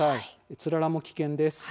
つららも危険です。